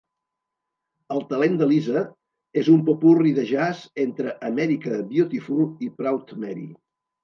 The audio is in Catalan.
El talent de Lisa és un popurri de jazz entre "America the Beautiful" i "Proud Mary".